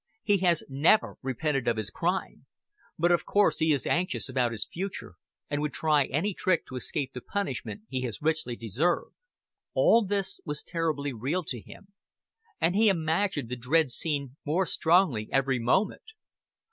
"He has never repented of his crime. But of course he is anxious about his future, and would try any trick to escape the punishment he has richly deserved." All this was terribly real to him, and he imagined the dread scene more strongly every moment.